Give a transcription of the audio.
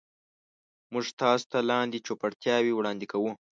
موږ تاسو ته لاندې چوپړتیاوې وړاندې کوو.